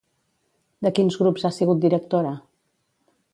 De quins grups ha sigut directora?